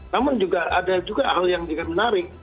namun juga ada juga hal yang juga menarik